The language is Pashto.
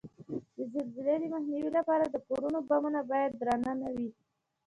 د زلزلې د مخنیوي لپاره د کورو بامونه باید درانه نه وي؟